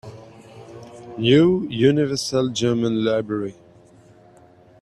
New Universal German Library